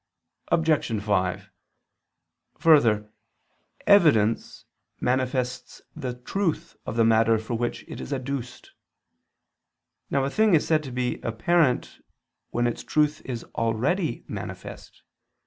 Obj. 5: Further, evidence manifests the truth of the matter for which it is adduced. Now a thing is said to be apparent when its truth is already manifest.